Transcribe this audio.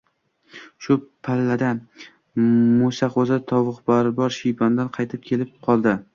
Shu pallada Mo‘saqo‘zi tovuqboqar shiypondan qaytib kelib qoldi